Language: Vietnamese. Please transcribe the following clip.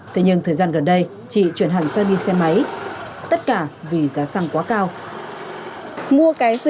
thế nhưng thời gian gần đây chị chuyển hẳn sang đi xe máy tất cả vì giá xăng quá cao